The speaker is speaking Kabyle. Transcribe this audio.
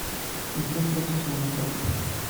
Yessefk ad tsusmemt cwiṭ.